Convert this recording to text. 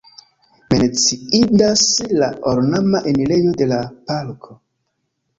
Menciindas la ornama enirejo de la parko.